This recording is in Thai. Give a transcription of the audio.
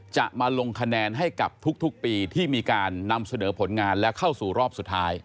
จะมาลงคะแนนให้กับทุกปีที่มีการนำเสนอผลงานและเข้าสู่รอบสุดท้าย